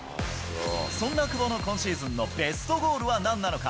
そんな久保の今シーズンのベストゴールはなんなのか。